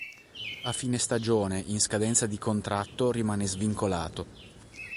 A fine stagione, in scadenza di contratto, rimane svincolato.